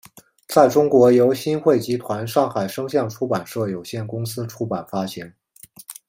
在中国由新汇集团上海声像出版社有限公司出版发行。